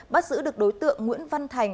bắt giữ được đối tượng nguyễn văn thành